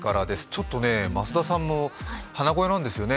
ちょっとね増田さんも鼻声なんですよね。